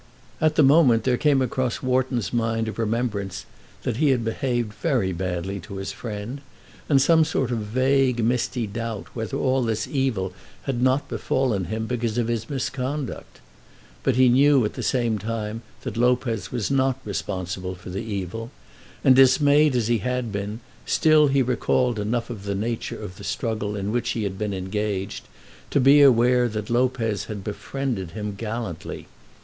At the moment there came across Wharton's mind a remembrance that he had behaved very badly to his friend, and some sort of vague misty doubt whether all this evil had not befallen him because of his misconduct. But he knew at the same time that Lopez was not responsible for the evil, and dismayed as he had been, still he recalled enough of the nature of the struggle in which he had been engaged, to be aware that Lopez had befriended him gallantly.